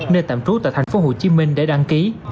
nên tạm trú tại thành phố hồ chí minh để đăng ký